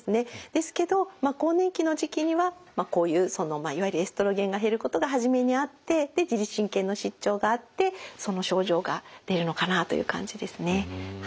ですけどまあ更年期の時期にはこういういわゆるエストロゲンが減ることが初めにあって自律神経の失調があってその症状が出るのかなという感じですね。